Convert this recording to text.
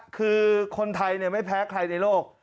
คือคนไทยไม่แพ้ใครในโลก